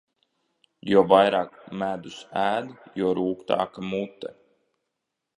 Jo vairāk medus ēd, jo rūgtāka mute.